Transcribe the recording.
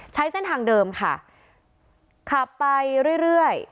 ใช้เส้นทางเดิมค่ะขับไปเรื่อยเรื่อย